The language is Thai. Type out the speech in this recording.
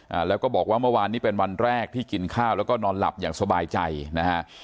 อ่าแล้วก็บอกว่าเมื่อวานนี้เป็นวันแรกที่กินข้าวแล้วก็นอนหลับอย่างสบายใจนะฮะ